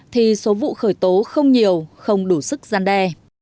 thì số vụ khởi tố không nhiều không đủ sức gian đe